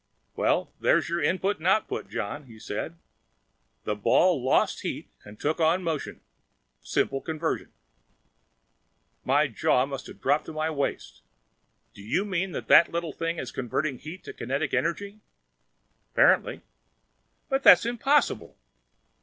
"Well, there's your input and output, John," he said. "The ball lost heat and took on motion. Simple conversion." My jaw must have dropped to my waist. "Do you mean that that little thing is converting heat to kinetic energy?" "Apparently." "But that's impossible!"